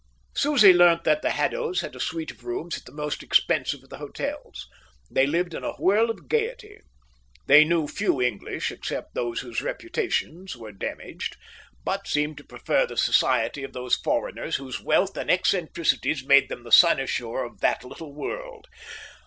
Susie learnt that the Haddos had a suite of rooms at the most expensive of the hotels. They lived in a whirl of gaiety. They knew few English except those whose reputations were damaged, but seemed to prefer the society of those foreigners whose wealth and eccentricities made them the cynosure of that little world.